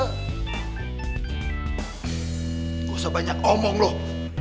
nggak usah banyak omong loh